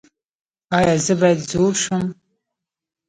ایا زه باید زوړ شم؟